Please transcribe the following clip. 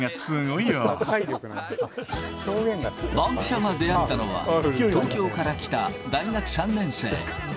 バンキシャが出会ったのは、東京から来た大学３年生。